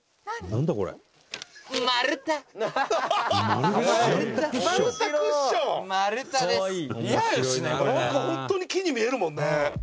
「なんかホントに木に見えるもんね」